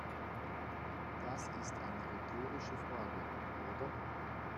Das ist eine rhetorische Frage, oder?